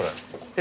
え？